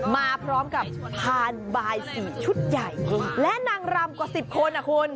มาพร้อมกับพานบายสีชุดใหญ่และนางรำกว่า๑๐คนนะคุณ